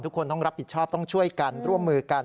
ทุกคนต้องรับผิดชอบต้องช่วยกันร่วมมือกัน